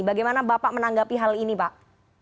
bagaimana bapak menanggapi hal ini pak